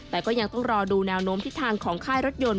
แต่ก็ยังต้องรอดูแนวโน้มทิศทางของค่ายรถยนต์